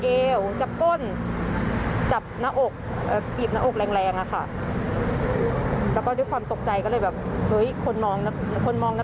เอาไปค่ะ